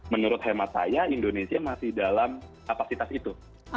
menurut hemat saya indonesia masih dalam kapasitas itu